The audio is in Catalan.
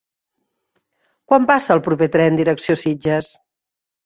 Quan passa el proper tren direcció Sitges?